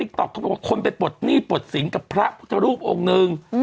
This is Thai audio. ต๊อกเขาบอกว่าคนไปปลดหนี้ปลดสินกับพระพุทธรูปองค์นึง